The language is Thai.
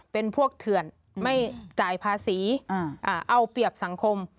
เป็นพวกเถื่อนไม่จ่ายภาษีเอาเปรียบสังคม